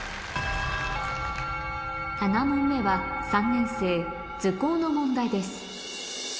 ７問目は３年生図工の問題です